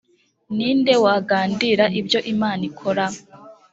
ni nde wagandira ibyo imana ikora